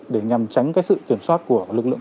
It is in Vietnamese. để nhằm tránh cái sự kiểm soát của lực lượng